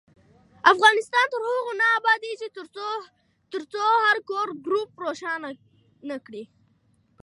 افغانستان تر هغو نه ابادیږي، ترڅو هر کور ګروپ روښانه نکړي.